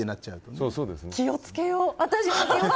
私も気を付けよう。